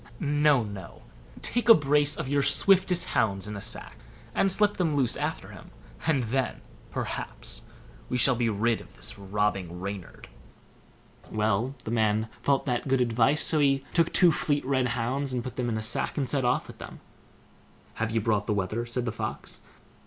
No, no; take a brace of your swiftest hounds in a sack, and slip them loose after him; and then, perhaps, we shall be rid of this robbing Reynard." Well, the man thought that good advice; so he took two fleet red hounds, put them into a sack, and set off with them. "Have you brought the wether?" said the Fox.